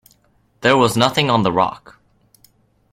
There was nothing on the rock.